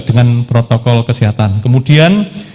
dengan protokol kesehatan kemudian